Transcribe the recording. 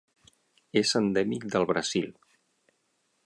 És endèmic del Brasil.